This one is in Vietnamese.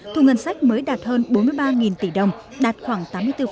thu ngân sách mới đạt hơn bốn mươi ba tỷ đồng đạt khoảng tám mươi bốn